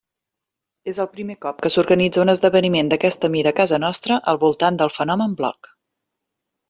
És el primer cop que s'organitza un esdeveniment d'aquesta mida a casa nostra al voltant del fenomen bloc.